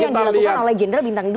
yang dilakukan oleh general bintang dua